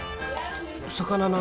魚の。